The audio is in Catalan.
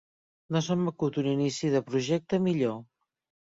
No se m'acut un inici de projecte millor.